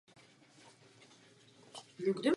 Prodává se ve třiceti zemích světa.